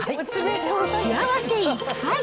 幸せいっぱい！